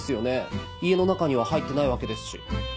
家の中には入ってないわけですし。